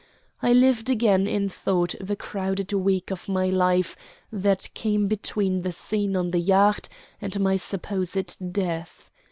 I lived again in thought the crowded week of my life that came between the scene on the yacht and my supposed death.